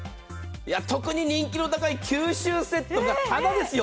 特に人気の高い九州セットがタダですよ。